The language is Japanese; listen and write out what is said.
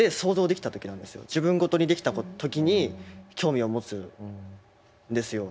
自分ごとにできた時に興味を持つんですよ。